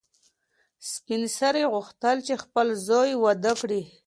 سپین سرې غوښتل چې خپل زوی واده کړي.